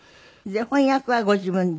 翻訳はご自分で？